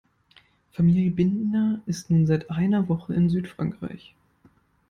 Familie Binder ist nun seit einer Woche in Südfrankreich.